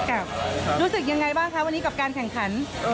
รู้สึกยังไงบ้างคะวันนี้กับการแข่งขัน